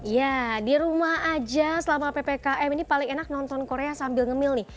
ya di rumah aja selama ppkm ini paling enak nonton korea sambil ngemil nih